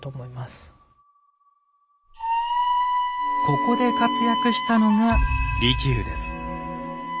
ここで活躍したのが利休です。